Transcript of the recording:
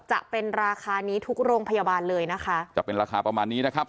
จะเป็นราคานี้ทุกโรงพยาบาลเลยนะคะจะเป็นราคาประมาณนี้นะครับ